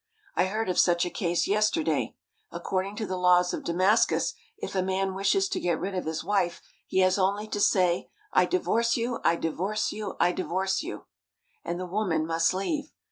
I heard of such a case yesterday. According to the laws of Damascus, if a man wishes to get rid of his wife he has only to say, "I divorce you! I divorce you! I divorce you!" and the woman must leave.